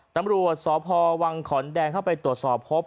ตำรวจสพวังขอนแดงเข้าไปตรวจสอบพบ